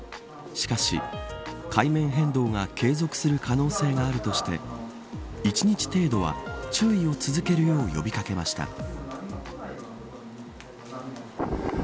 しかし海面変動が継続する可能性があるとして１日程度は注意を続けるよう呼び掛けました。